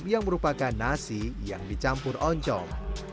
yang merupakan nasi yang dicampur oncom